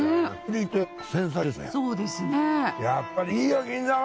やっぱりいいよ銀座は。